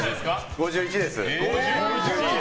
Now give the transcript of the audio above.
５１です。